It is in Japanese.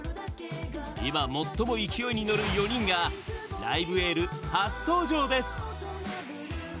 今、最も勢いに乗る４人が「ライブ・エール」初登場です。